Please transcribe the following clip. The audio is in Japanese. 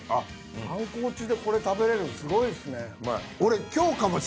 観光地でこれ食べれるんすごいですね。